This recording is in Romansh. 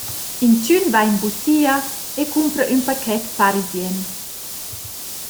Inchün va in butia e cumpra ün paquet Parisiennes.